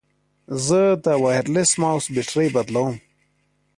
زه د وایرلیس ماؤس بیټرۍ بدلوم.